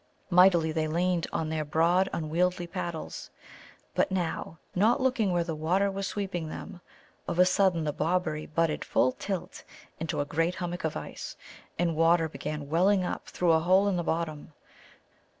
Mightily they leaned on their broad, unwieldy paddles. But now, not looking where the water was sweeping them, of a sudden the Bobberie butted full tilt into a great hummock of ice, and water began welling up through a hole in the bottom.